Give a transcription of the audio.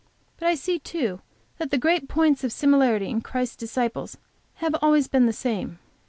But I see, too, that the great points of similarity in Christ's disciples have always been the same.